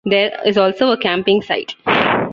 There is also a camping site.